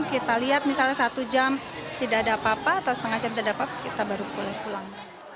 kita lihat misalnya satu jam tidak ada apa apa atau setengah jam tidak ada apa apa kita baru pulang